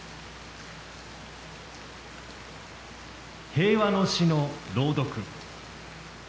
平和の詩の朗読。